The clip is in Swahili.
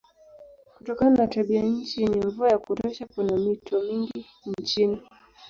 Kutokana na tabianchi yenye mvua ya kutosha kuna mito mingi nchini.